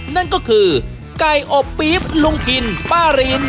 นั่นก็คือไก่อบปี๊บลุงพินป้าริน